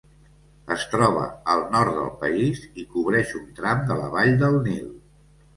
Es troba al nord del país i cobreix un tram de la vall del Nil.